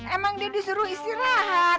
emang dia disuruh istirahat